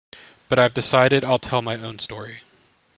But I've decided I'll tell my own story.